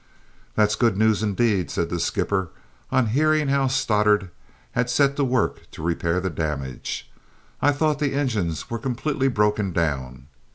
"That's good news, indeed!" said the skipper on hearing how Stoddart had set to work to repair the damage. "I thought the engines were completely broken down.